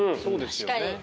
確かに。